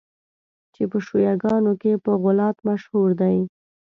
چي په شیعه ګانو کي په غُلات مشهور دي.